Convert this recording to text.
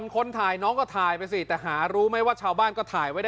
คนถ่ายน้องก็ถ่ายไปสิแต่หารู้ไหมว่าชาวบ้านก็ถ่ายไว้ได้